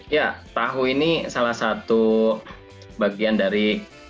ya tahu ini salah satu bagian dari